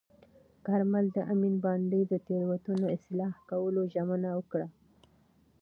کارمل د امین بانډ د تېروتنو اصلاح کولو ژمنه وکړه.